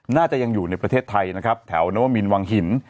น่าจะยังอยู่ในประเทศไทยนะครับแถวนวมินวังหิน